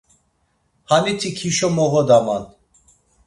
Hanitik hişo moğodaman.